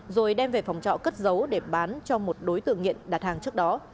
rồi đem về phòng trọ cất giấu để bán cho một đối tượng nghiện đặt hàng trước đó